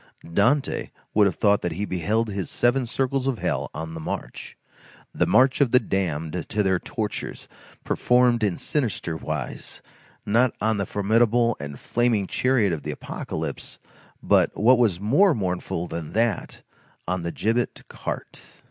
Dante would have thought that he beheld his seven circles of hell on the march. The march of the damned to their tortures, performed in sinister wise, not on the formidable and flaming chariot of the Apocalypse, but, what was more mournful than that, on the gibbet cart.